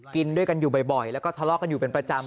กินด้วยกันอยู่บ่อยแล้วก็ทะเลาะกันอยู่เป็นประจำ